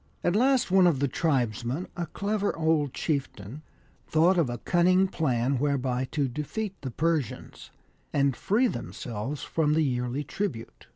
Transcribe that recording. At last one of the tribesmen, a clever old chieftain, thought of a cunning plan whereby to defeat the Persians, and free themselves from the yearly tribute.